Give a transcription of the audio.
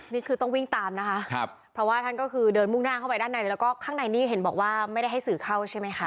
นี่คือต้องวิ่งตามนะคะครับเพราะว่าท่านก็คือเดินมุ่งหน้าเข้าไปด้านในแล้วก็ข้างในนี่เห็นบอกว่าไม่ได้ให้สื่อเข้าใช่ไหมคะ